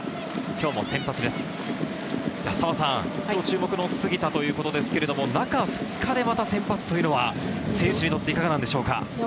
今日注目の杉田ということですが、中２日でまた先発というのは選手にとっていかがでしょうか？